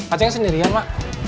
asing sendirian ma